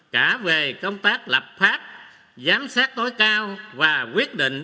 cả về công tác lập pháp giám sát tối cao và quyết định